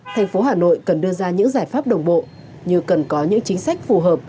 thành phố hà nội cần đưa ra những giải pháp đồng bộ như cần có những chính sách phù hợp